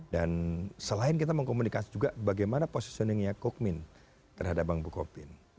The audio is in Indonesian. dan selain kita mengkomunikasikan juga bagaimana positioningnya kukmin terhadap bank bukopin